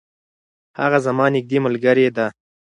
هغه زما نږدې ملګرې ده.